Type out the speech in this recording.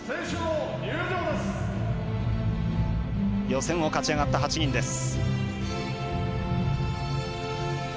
予選を勝ちあがった８人です。